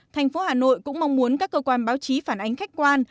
thành phố hà nội cũng mong muốn các cơ quan báo chí phản ánh khách quan